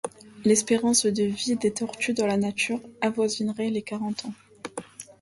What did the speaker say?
L'espérance de vie des tortues dans la nature avoisinerait les quarante ans.